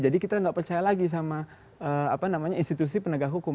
jadi kita nggak percaya lagi sama institusi penegak hukum